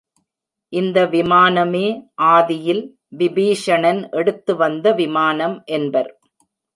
இந்த விமானமே ஆதியில் விபீஷணன் எடுத்து வந்த விமானம் என்பர்.